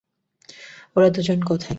ওরা দুজন কোথায়?